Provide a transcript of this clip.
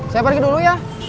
saya pergi dulu ya